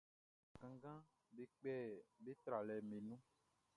Bakannganʼm be kpɛ be tralɛʼm be nun.